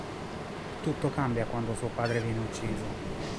Tutto cambia quando suo padre viene ucciso.